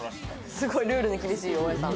すごいルールに厳しい大江さん。